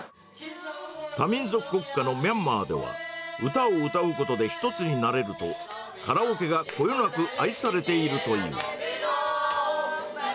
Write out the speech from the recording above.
多民族国家のミャンマーでは、歌を歌うことで一つになれると、カラオケがこよなく愛されているという。